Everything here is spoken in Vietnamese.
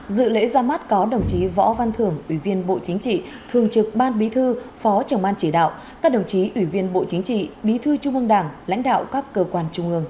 dự lễ ra mắt có đồng chí võ văn thưởng ủy viên bộ chính trị thường trực ban bí thư phó trưởng ban chỉ đạo các đồng chí ủy viên bộ chính trị bí thư trung ương đảng lãnh đạo các cơ quan trung ương